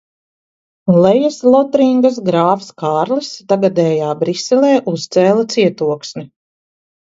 Lejaslotringas grāfs Kārlis tagadējā Briselē uzcēla cietoksni.